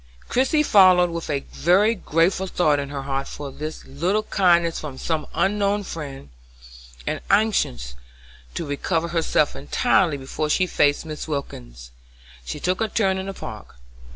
Christie followed with a very grateful thought in her heart for this little kindness from some unknown friend; and, anxious to recover herself entirely before she faced Mrs. Wilkins, she took a turn in the park.